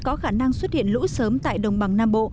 có khả năng xuất hiện lũ sớm tại đồng bằng nam bộ